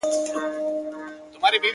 د زوم خاوره د خسر له سره اخيسته کېږي.